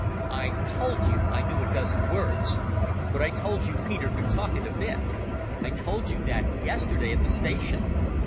"I told you I knew a dozen words. But I told you Peter could talk it a bit. I told you that yesterday at the station."